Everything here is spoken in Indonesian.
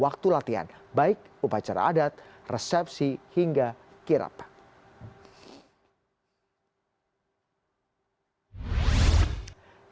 waktu latihan baik upacara adat resepsi hingga kirap